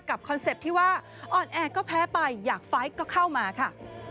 คอนเซ็ปต์ที่ว่าอ่อนแอก็แพ้ไปอยากไฟล์ก็เข้ามาค่ะ